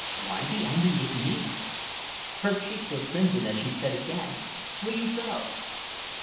Why be angry with me?" Her cheeks were crimson as she said, again, "Will you go?"